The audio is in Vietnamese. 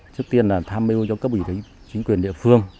trước tiên là tham mưu cho các ủy chính quyền địa phương